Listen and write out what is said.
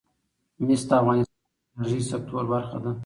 مس د افغانستان د انرژۍ سکتور برخه ده.